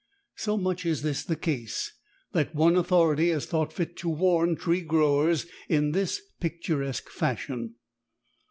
So much is this the case that one authority has thought fit to warn tree growers in this picturesque fashion.